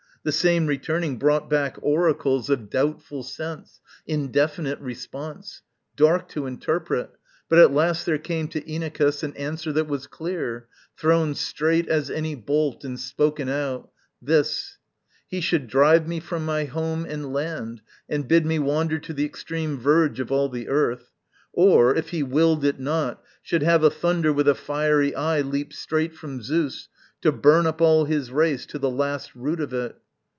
The same returning brought back oracles Of doubtful sense, indefinite response, Dark to interpret; but at last there came To Inachus an answer that was clear, Thrown straight as any bolt, and spoken out This "he should drive me from my home and land And bid me wander to the extreme verge Of all the earth or, if he willed it not, Should have a thunder with a fiery eye Leap straight from Zeus to burn up all his race To the last root of it."